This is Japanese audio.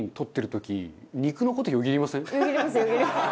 よぎりますよぎります。